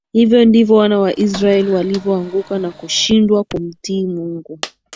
Hivyo ndivyo wana wa Israeli walivyoanguka na kushindwa kumtii Mungu